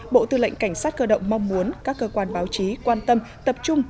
bộ tư lệnh cảnh sát cơ động mong muốn các cơ quan báo chí quan tâm tập trung